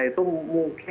mereka sudah berangkat